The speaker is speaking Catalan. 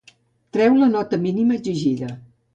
Treure la nota mínima exigida.